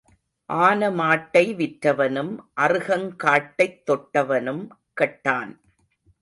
ஆன மாட்டை விற்றவனும் அறுகங் காட்டைத் தொட்டவனும் கெட்டான்.